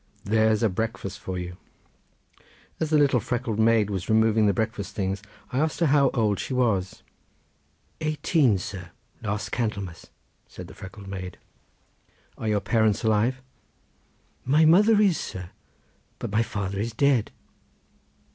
There's a breakfast for you! As the little freckled maid was removing the breakfast things I asked her how old she was. "Eighteen, sir, last Candlemas," said the freckled maid. "Are your parents alive?" "My mother is, sir, but my father is dead."